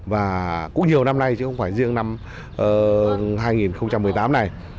và cũng nhiều năm nay chứ không phải riêng năm hai nghìn một mươi tám này